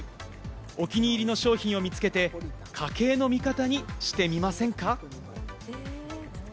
お気に入りの商品を見つけて家計のミカタにしてみませんか？